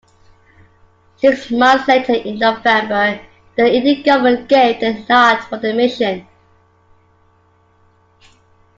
Six months later, in November, the Indian government gave the nod for the mission.